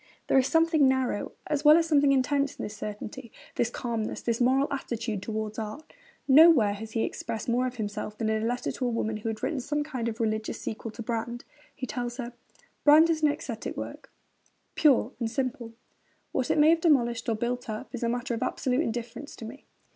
There is something narrow as well as something intense in this certainty, this calmness, this moral attitude towards art. Nowhere has he expressed more of himself than in a letter to a woman who had written some kind of religious sequel to Brand. He tells her: Brand is an æsthetic work, pure and simple. What it may have demolished or built up is a matter of absolute indifference to me.